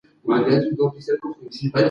انټرنیټ د هر ډول زده کړې لپاره زمینه برابروي.